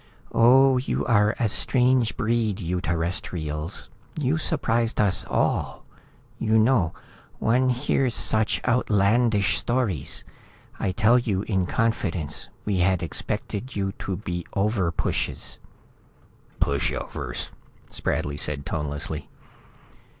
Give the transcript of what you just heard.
"Oh, you are a strange breed, you Terrestrials. You surprised us all. You know, one hears such outlandish stories. I tell you in confidence, we had expected you to be overpushes." "Pushovers," Spradley said, tonelessly.